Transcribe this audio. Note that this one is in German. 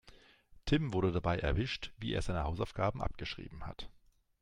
Tim wurde dabei erwischt, wie er seine Hausaufgaben abgeschrieben hat.